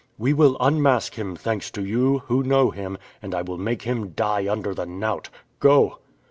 "We will unmask him, thanks to you, who know him, and I will make him die under the knout. Go!"